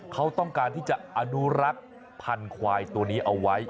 เขาต้องการที่จะอนุรักษ์พันธุ์ควายตัวนี้เอาไว้